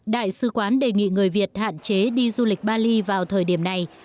đại sứ quán đề nghị người việt hạn chế đi du lịch bali vào thời điểm này